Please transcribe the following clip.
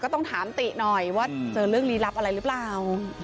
ต้องถามติหน่อยว่าเจอเรื่องลีลับอะไรหรือเปล่า